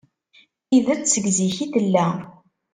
Tidet seg zik i tella.